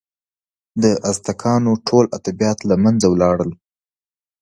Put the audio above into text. د ازتکانو ټول ادبیات له منځه ولاړل.